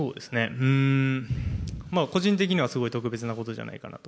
うーん、個人的にはすごい特別なことじゃないかなと。